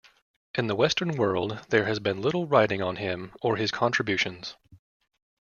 In the Western world there has been little writing on him, or his contributions.